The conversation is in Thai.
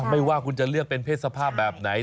ไม่ว่าคุณจะเลือกเป็นเพศสภาพแบบไหน